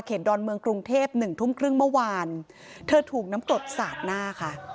ดอนเมืองกรุงเทพหนึ่งทุ่มครึ่งเมื่อวานเธอถูกน้ำกรดสาดหน้าค่ะ